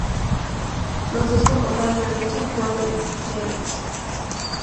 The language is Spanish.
Los dos con portadas de Richard "prophet" Jennings.